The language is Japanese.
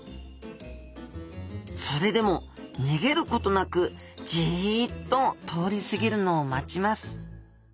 それでも逃げることなくジッと通り過ぎるのを待ちます。